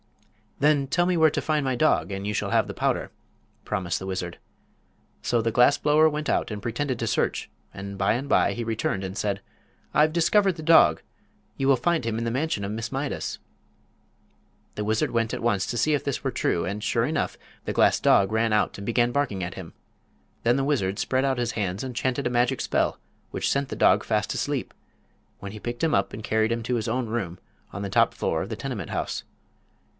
"Then tell me where to find my dog and you shall have the powder," promised the wizard. So the glass blower went out and pretended to search, and by and by he returned and said: "I've discovered the dog. You will find him in the mansion of Miss Mydas." The wizard went at once to see if this were true, and, sure enough, the glass dog ran out and began barking at him. Then the wizard spread out his hands and chanted a magic spell which sent the dog fast asleep, when he picked him up and carried him to his own room on the top floor of the tenement house.